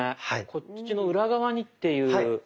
こっちの裏側にっていう。